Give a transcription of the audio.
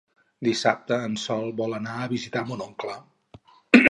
Dissabte en Sol vol anar a visitar mon oncle.